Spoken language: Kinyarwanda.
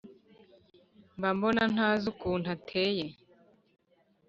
mba mbona ntazi ukuntu ateye